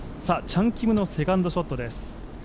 チャン・キムのセカンドショットです。